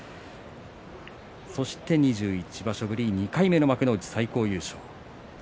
そして２１場所ぶり２回目の最高優勝。